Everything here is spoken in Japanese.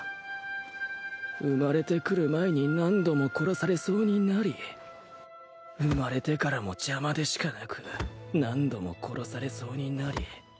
生まれてくる前に何度も殺されそうになり生まれてからも邪魔でしかなく何度も殺されそうになり